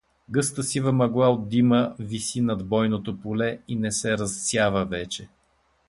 Гъста сива мъгла от дима виси над бойното поле и не се разсява вече.